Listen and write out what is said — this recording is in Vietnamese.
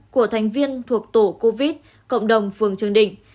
của thành viên thuộc tổ covid cộng đồng phường trương định